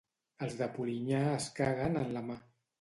Els de Polinyà es caguen en la mà.